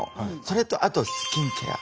それとあとスキンケア。